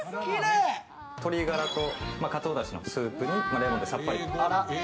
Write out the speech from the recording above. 鶏ガラとカツオだしのスープにレモンでさっぱりと。